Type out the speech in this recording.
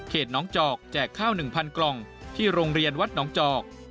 น้องจอกแจกข้าว๑๐๐กล่องที่โรงเรียนวัดหนองจอก